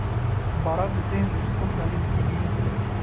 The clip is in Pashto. • باران د ذهن د سکون لامل کېږي.